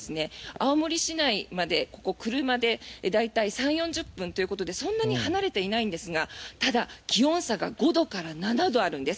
青森市内までここ車で大体３０４０分ということでそんなに離れていないんですがただ、気温差が５度から７度あるんです。